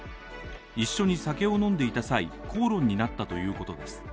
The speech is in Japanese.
一緒に酒を飲んでいた際、口論になったということです。